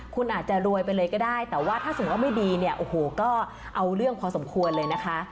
คุณอาจจะรวยไปเลยก็ได้แต่ว่าถ้าสมมุติว่าไม่ดีเนี่ยโอ้โหก็เอาเรื่องพอสมควรเลยนะคะ